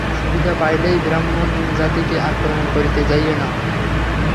সুবিধা পাইলেই ব্রাহ্মণজাতিকে আক্রমণ করিতে যাইও না।